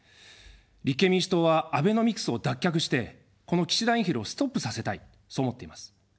立憲民主党はアベノミクスを脱却して、この岸田インフレをストップさせたい、そう思っています。